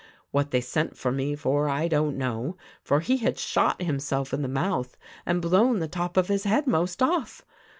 What they sent for me for I don't know ; for he had shot himself in the mouth and blown the top of his head most off.